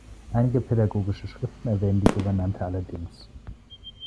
Einige pädagogische Schriften erwähnen die Gouvernante allerdings.